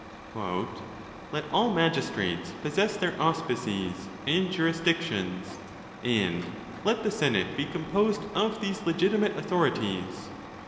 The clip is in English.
« Let all magistrates possess their auspices and jurisdictions, and let the senate be composed of these legitimate authorities.